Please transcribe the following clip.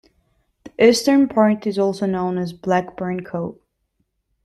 The eastern part is also known as Blackburn Cove.